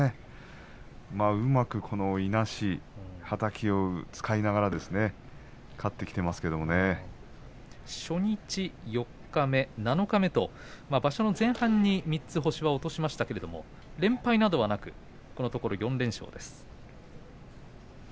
うまくいなし、はたきを使いながら初日、四日目、七日目と場所の前半に３つ星を落としましたけれど連敗などはなくこのところ４連勝です。